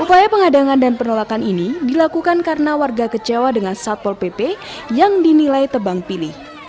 upaya pengadangan dan penolakan ini dilakukan karena warga kecewa dengan satpol pp yang dinilai tebang pilih